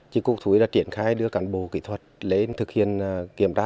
chỉ cục thú y đã triển khai đưa cản bộ kỹ thuật lên thực hiện kiểm tra